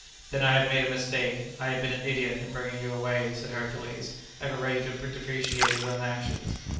"Then I have made a mistake; I have been an idiot, in bringing you away," said Hercules, ever ready to depreciate his own actions.